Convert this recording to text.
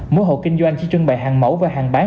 mỗi hộ kinh doanh chỉ trưng bày hàng mẫu và hàng bán